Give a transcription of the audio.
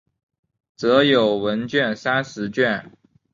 着有文集三十卷。